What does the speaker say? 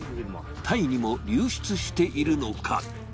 タイにも流出しているのか。